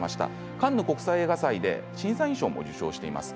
カンヌ国際映画祭で審査員賞も受賞しています。